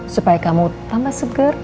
supaya kamu tambah seger